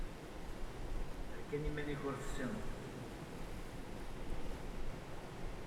Err kan iman-ik ur t-tessineḍ!